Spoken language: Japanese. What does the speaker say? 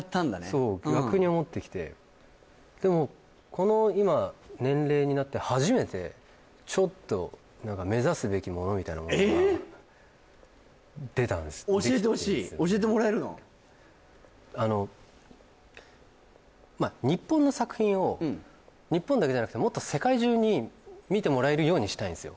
そう逆に思ってきてでもこの今年齢になって初めてちょっと何かあの日本の作品を日本だけじゃなくてもっと世界中に見てもらえるようにしたいんですよ